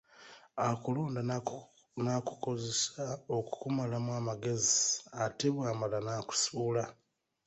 Akulonda n’akukozesa okukumalamu amagezi ate bw’amala n’akusuula.